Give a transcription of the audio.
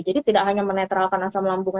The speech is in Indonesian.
jadi tidak hanya menetralkan asam lambungnya